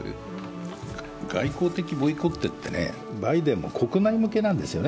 外交的ボイコットって、バイデンも国内向けなんですよね。